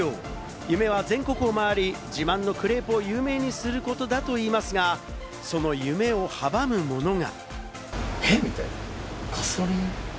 夢は全国を回り、自慢のクレープを有名にすることだといいますが、その夢を阻むものが。